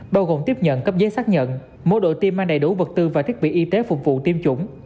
bao gồm tiếp nhận cấp giấy xác nhận mỗi đội tiêm mang đầy đủ vật tư và thiết bị y tế phục vụ tiêm chủng